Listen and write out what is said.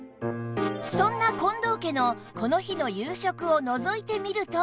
そんな近藤家のこの日の夕食をのぞいてみると